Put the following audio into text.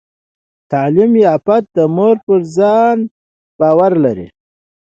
تعلیم یافته مور پر ځان باور لري۔